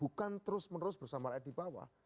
bukan terus menerus bersama rakyat di bawah